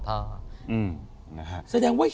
โปรดติดตามต่อไป